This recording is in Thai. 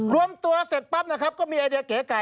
รวมตัวเสร็จปั๊บนะครับก็มีไอเดียเก๋ไก่